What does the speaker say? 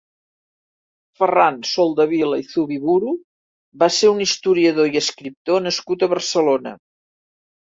Ferran Soldevila i Zubiburu va ser un historiador i escriptor nascut a Barcelona.